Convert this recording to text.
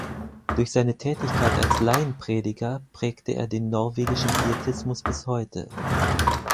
Durch seine Tätigkeit als Laienprediger prägte er den norwegischen Pietismus bis heute.